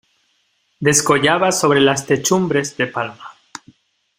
descollaba sobre las techumbres de palma.